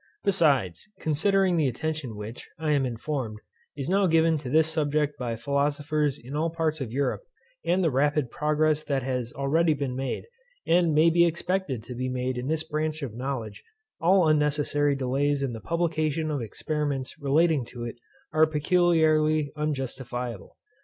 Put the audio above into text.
Besides, considering the attention which, I am informed, is now given to this subject by philosophers in all parts of Europe, and the rapid progress that has already been made, and may be expected to be made in this branch of knowledge, all unnecessary delays in the publication of experiments relating to it are peculiarly unjustifiable.